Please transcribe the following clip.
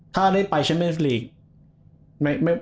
ถ้าได้ไปใช่ไหม